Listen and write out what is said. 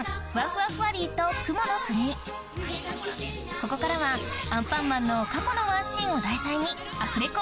ここからは『アンパンマン』の過去のワンシーンを題材にアフレコ